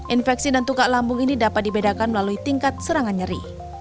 infeksi dan tukak lambung ini dapat dibedakan melalui tingkat serangan nyeri